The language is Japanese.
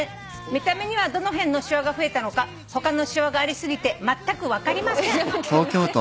「見た目にはどの辺のしわが増えたのか他のしわがあり過ぎてまったく分かりません」